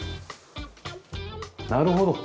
なるほど。